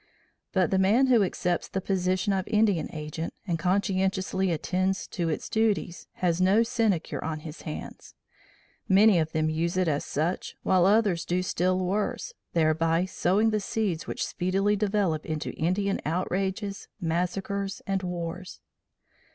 But the man who accepts the position of Indian Agent and conscientiously attends to its duties has no sinecure on his hands. Many of them use it as such while others do still worse, thereby sowing the seeds which speedily develop into Indian outrages, massacres and wars.